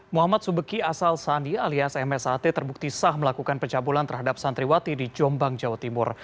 muhammad subeki asal sandi alias msat terbukti sah melakukan pencabulan terhadap santriwati di jombang jawa timur